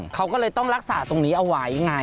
เขาก็เลยต้องรักษาตรงนี้เอาไว้ไง